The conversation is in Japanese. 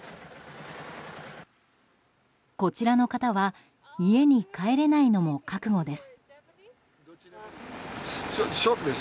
こちらの方は家に帰れないのも覚悟です。